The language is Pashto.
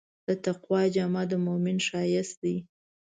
د تقوی جامه د مؤمن ښایست دی.